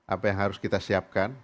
apa yang harus kita siapkan